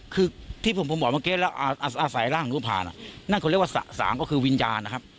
คือที่ผมบอกเมื่อกี้แล้วอาศัยร่างลูกผ่านนั่นเขาเรียกว่าสะสางก็คือวิญญาณนะครับ